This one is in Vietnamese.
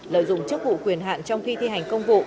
lợi dụng chức vụ quyền hạn trong khi thi hành công vụ